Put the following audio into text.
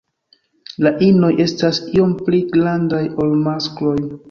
La inoj estas iom pli grandaj ol maskloj.